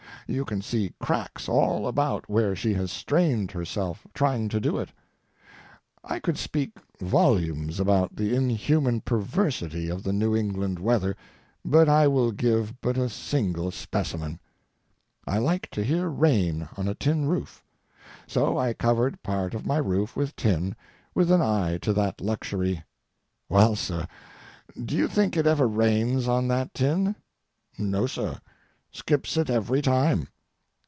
You can see cracks all about where she has strained herself trying to do it. I could speak volumes about the inhuman perversity of the New England weather, but I will give but a single specimen. I like to hear rain on a tin roof. So I covered part of my roof with tin, with an eye to that luxury. Well, sir, do you think it ever rains on that tin? No, sir; skips it every time.